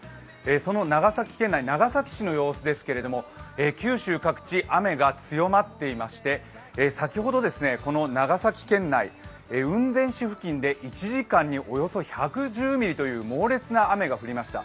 その長崎県内、長崎市の様子ですけれども、九州各地、雨が強まっていまして先ほどこの長崎県内、雲仙市付近で１時間におよそ１１０ミリという猛烈な雨が降りました。